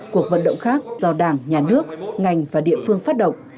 cuộc vận động khác do đảng nhà nước ngành và địa phương phát động